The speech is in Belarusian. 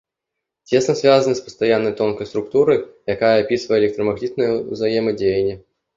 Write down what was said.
Цесна звязаны з пастаяннай тонкай структуры, якая апісвае электрамагнітнае ўзаемадзеянне.